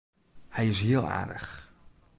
Hy is hiel aardich.